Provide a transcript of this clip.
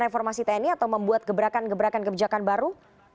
reformasi tni atau membuat gebrakan gebrakan kebijakan baru